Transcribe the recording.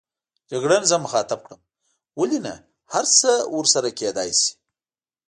جګړن زه مخاطب کړم: ولې نه، هرڅه ورسره کېدای شي.